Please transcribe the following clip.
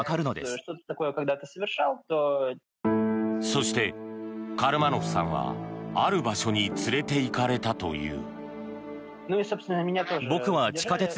そしてカルマノフさんはある場所に連れていかれたという。